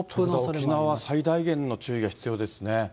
沖縄、最大限の注意が必要ですね。